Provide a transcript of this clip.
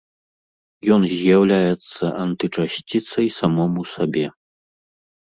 Ён з'яўляецца антычасціцай самому сабе.